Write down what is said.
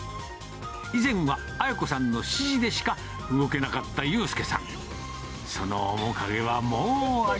以前は文子さんの指示でしか動けなかった悠佑さん。